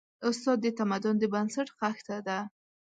استاد د تمدن د بنسټ خښته ده.